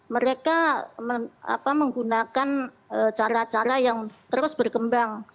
mereka menggunakan cara cara yang terus berkembang